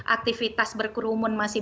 aktivitas berkerumun masih